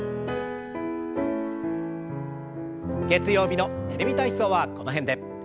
月曜日の「テレビ体操」はこの辺で。